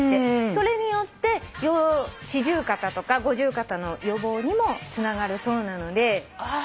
それによって四十肩とか五十肩の予防にもつながるそうなので。